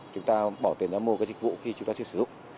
chúng ta bỏ tiền ra mua cái dịch vụ khi chúng ta chưa sử dụng